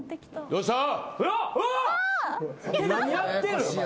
どうした。